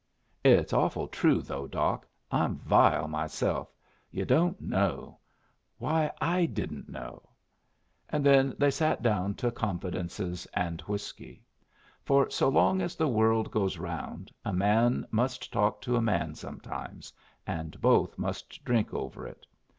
"It's awful true, though, Doc. I'm vile myself. Yu' don't know. Why, I didn't know!" And then they sat down to confidences and whiskey; for so long as the world goes round a man must talk to a man sometimes, and both must drink over it.